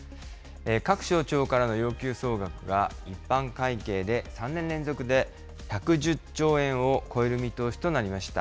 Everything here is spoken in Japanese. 各省庁からの要求総額が一般会計で３年連続で１１０兆円を超える見通しとなりました。